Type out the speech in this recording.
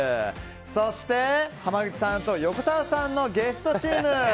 そして濱口さんと横澤さんのゲストチーム。